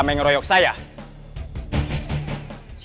denny kemana ya